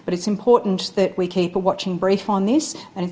tapi penting kita menonton berita berita tentang ini